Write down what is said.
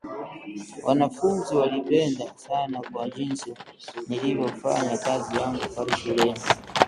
"Wanafunzi walinipenda sana kwa jinsi nilivyofanya kazi yangu pale shuleni"